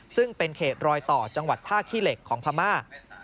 ซึ่งเป็นเขตรอยต่อจังหวัดท่าขี้เหล็กของพม่า